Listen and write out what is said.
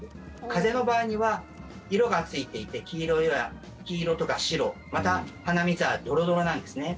風邪の場合には色がついていて黄色とか白また、鼻水はドロドロなんですね。